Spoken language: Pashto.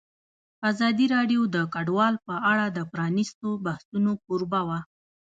ازادي راډیو د کډوال په اړه د پرانیستو بحثونو کوربه وه.